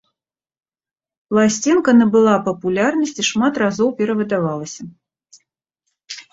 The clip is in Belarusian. Пласцінка набыла папулярнасць і шмат разоў перавыдавалася.